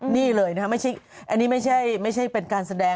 นี่เลยนะครับอันนี้ไม่ใช่เป็นการแสดง